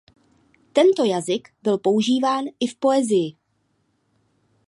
Tento jazyk byl používán i v poezii.